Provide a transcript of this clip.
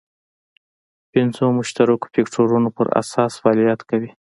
پنځو مشترکو فکټورونو پر اساس فعالیت کوي.